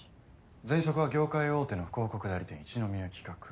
前職は業界大手の広告代理店一之宮企画。